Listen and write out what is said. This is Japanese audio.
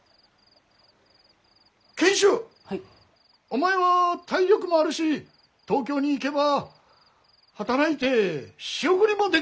お前は体力もあるし東京に行けば働いて仕送りもできる。